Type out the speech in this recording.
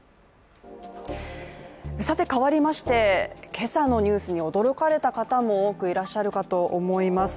かわりまして、今朝のニュースに驚かれた方も多くいらっしゃるかと思います。